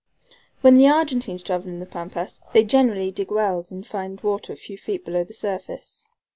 When the Argentines travel in the Pampas they generally dig wells, and find water a few feet below the surface.